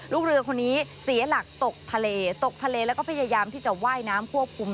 ลูกเรือคนนี้เสียหลักตกทะเลตกทะเลแล้วก็พยายามที่จะว่ายน้ำควบคุม